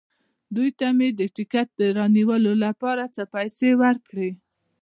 دوی ته مې د ټکټ رانیولو لپاره څه پېسې ورکړې.